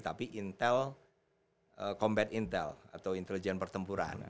tapi intel combat intel atau intelijen pertempuran